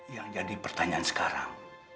yang jadi pertanyaan sekarang